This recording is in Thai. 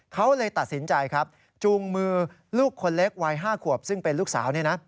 เขาเลยตัดสินใจครับจูงมือลูกคนเล็กวัย๕ขวบซึ่งเป็นลูกสาว